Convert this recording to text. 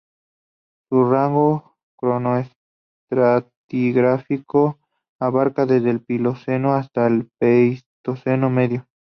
Su rango cronoestratigráfico abarca desde el Plioceno hasta el Pleistoceno medio.